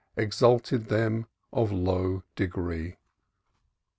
. exalted them of low degree."